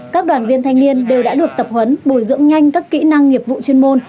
các đoàn viên thanh niên đều đã được tập huấn bồi dưỡng nhanh các kỹ năng nghiệp vụ chuyên môn